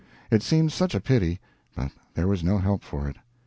It seemed such a pity; but there was no help for it.